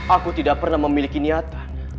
aku tidak pernah memiliki niatan